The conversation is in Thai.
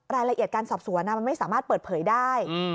รายละเอียดการสอบสวนมันไม่สามารถเปิดเผยได้